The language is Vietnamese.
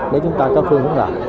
để chúng ta có phương hướng ra